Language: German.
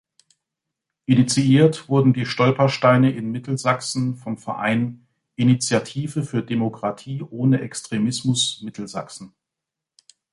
Initiiert wurden die Stolpersteine in Mittelsachsen vom Verein „Initiative für Demokratie ohne Extremismus Mittelsachsen“.